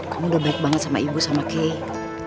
kamu udah baik banget sama ibu sama key